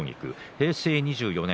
平成２４年